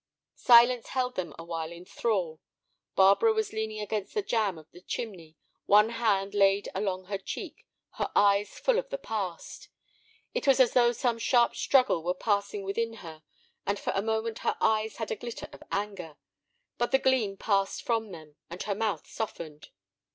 Silence held them awhile in thrall. Barbara was leaning against the jamb of the chimney, one hand laid along her cheek, her eyes full of the past. It was as though some sharp struggle were passing within her, and for a moment her eyes had a glitter of anger. But the gleam passed from them, and her mouth softened.